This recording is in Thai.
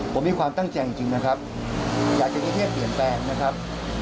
ผมมีความตั้งใจจริงนะครับอยากจะกรุงเทพเปลี่ยนแปลงนะครับ